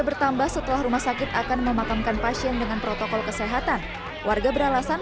bertambah setelah rumah sakit akan memakamkan pasien dengan protokol kesehatan warga beralasan